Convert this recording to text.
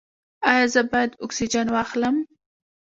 ایا زه باید اکسیجن واخلم؟